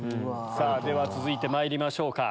では続いてまいりましょうか。